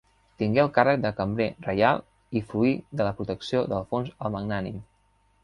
Tingué el càrrec de cambrer reial i fruí de la protecció d'Alfons el Magnànim.